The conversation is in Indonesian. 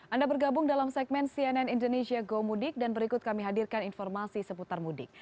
anda bergabung dalam segmen cnn indonesia go mudik dan berikut kami hadirkan informasi seputar mudik